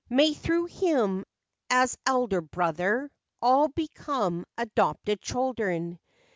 May, through him as elder brother, All become adopted children.